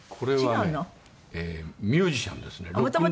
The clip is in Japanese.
元々ミュージシャンですよね